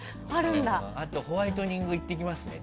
あと、ホワイトニング行ってきますね。